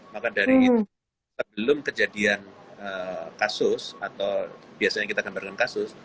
maka dari itu sebelum kejadian kasus atau biasanya kita gambarkan kasus